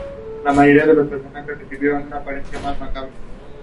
There were no Norwegian entomological journals in the early years.